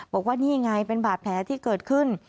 บอกว่านี่ไงเป็นบาดแผลที่เกิดขึ้น